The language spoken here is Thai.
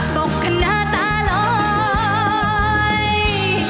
ตกขนาดตาลอย